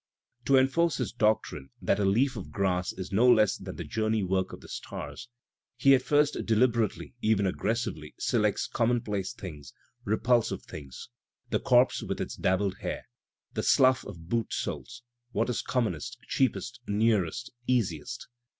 To enforce his doctrine that "a leaf of grass is no less than the journey work of the stars," he at first deliberately, even aggressively, ^ selects commonpla^ things, repulsive things, "the corpse with its dabbled hair," the "sluflf of boot soles," "what is commonest, cheapest, nearest, easiest."